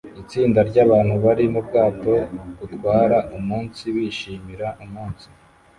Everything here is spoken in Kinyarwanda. Itsinda ryabantu bari mubwato butwara umunsi bishimira umunsi